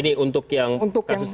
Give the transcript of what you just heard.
ini untuk yang kasus ini ya